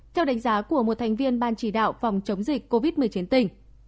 theo đánh giá của một thành viên ban chỉ đạo phòng chống dịch covid một mươi chín tỉnh